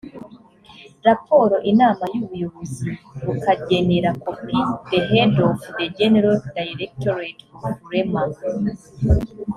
raporo inama y ubuyobozi bukagenera kopi the head of the general directorate of rema